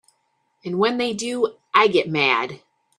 And when they do I get mad.